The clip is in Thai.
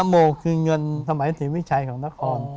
ครับคือเงินสมัยสีวิชัยของณคร